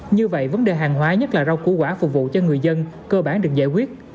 như vậy vấn đề hàng hóa nhất là rau củ quả phục vụ cho người dân cơ bản được giải quyết